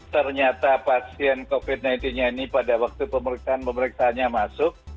ternyata pasien covid sembilan belas nya ini pada waktu pemeriksaan pemeriksaannya masuk